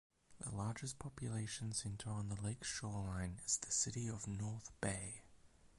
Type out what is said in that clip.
The largest population centre on the lake's shoreline is the city of North Bay.